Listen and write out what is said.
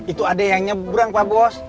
itu ada yang nyebrang pak bos